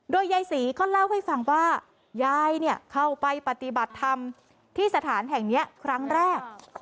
โดยยายศรีก็เล่าให้ฟังว่ายายเข้าไปปฏิบัติธรรมที่สถานแห่งนี้ครั้งแรก